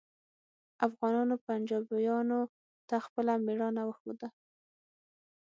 افغانانو پنجابیانو ته خپله میړانه وښوده